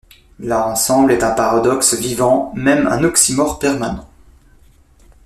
L'art Ensemble est un paradoxe vivant, même un oxymore permanent.